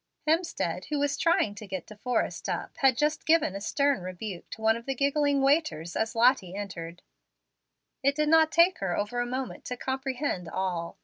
Hemstead, who was trying to get De Forrest up, had just given a stern rebuke to one of the giggling waiters as Lottie entered. It did not take her over a moment to comprehend all.